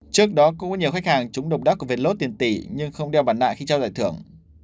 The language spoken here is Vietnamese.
trước đó cũng có nhiều khách hàng trúng động đắc của vé lốt tiền tỷ nhưng không đeo mặt nạ khi trao giải thưởng